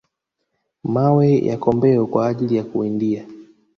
mawe ya kombeo kwa ajili ya kuwindia